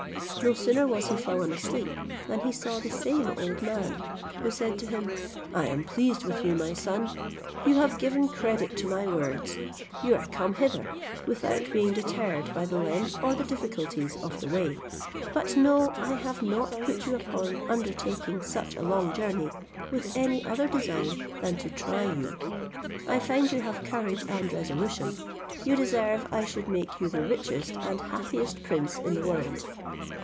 No sooner was he fallen asleep, than he saw the same old man, who said to him, "I am pleased with you, my son, you have given credit to my words. You are come hither, without being deterred by the length or the difficulties of the way: but know I have not put you upon undertaking such a long journey, with any other design than to try you. I find you have courage and resolution. You deserve I should make you the richest and happiest prince in the world.